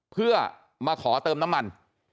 เพื่อมาขอเติมน้ำมัน